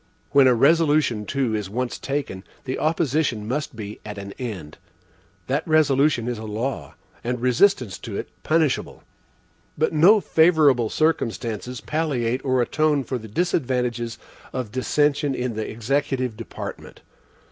When a resolution too is once taken, the opposition must be at an end. That resolution is a law, and resistance to it punishable. But no favorable circumstances palliate or atone for the disadvantages of dissension in the executive department.